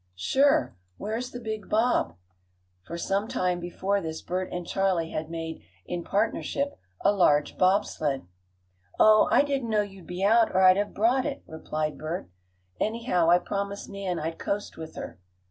"Sure. Where's the big bob?" For some time before this Bert and Charley had made, in partnership, a large bob sled. "Oh, I didn't know you'd be out, or I'd have brought it," replied Bert. "Anyhow, I promised Nan I'd coast with her."